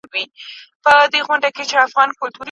عمر تېر سو پاچا زوړ نیوي کلن سو